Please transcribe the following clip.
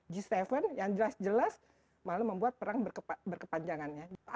g tujuh yang jelas jelas malah membuat perang berkepanjangannya